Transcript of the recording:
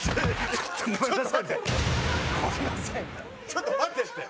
ちょっと待てって。